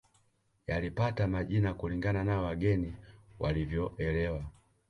Yalipata majina kulingana na wageni walivyoelewa